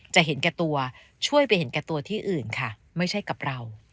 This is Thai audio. จะเห็นแก่ตัวช่วยไปเห็นแก่ตัวที่อื่นค่ะไม่ใช่กับเรา